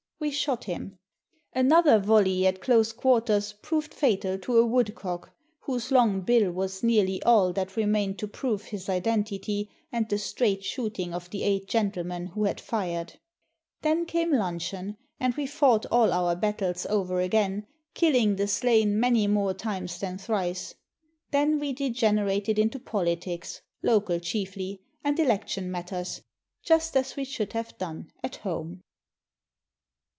We shot him. Another volley at close 634 A PORTUGUESE SHOOTING PARTY quarters proved fatal to a woodcock, whose long bill was nearly all that remained to prove his identity and the straight shooting of the eight gentlemen who had fired. Then came luncheon, and we fought all our battles over again, kiUing the slain many more times than thrice. Then we degenerated into politics — local chiefly, and election matters, just as we should have done at home.